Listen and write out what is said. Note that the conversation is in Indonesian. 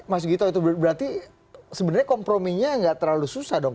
mas gito itu berarti sebenarnya komprominya nggak terlalu susah dong